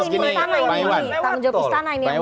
tanggung jawab istana ini yang jawabin